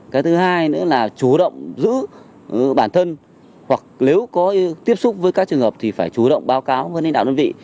cái thứ hai nữa là chủ động giữ bản thân hoặc nếu có tiếp xúc với các trường hợp thì phải chủ động báo cáo hơn ninh đạo đơn vị